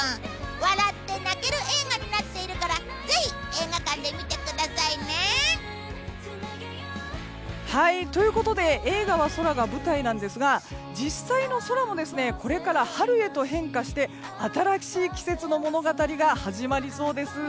笑って泣ける映画になっているからぜひ、映画館で見てくださいね！ということで映画は空が舞台なんですが実際の空もこれから春へと変化して新しい季節の物語が始まりそうです。